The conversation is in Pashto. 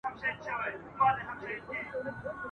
نه خرقه پوش نه پر منبر د پرهېز لاپي کوي ..